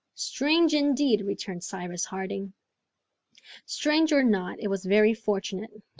"Strange indeed!" returned Cyrus Harding. Strange or not, it was very fortunate.